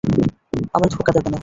আমায় ধোঁকা দেবে না।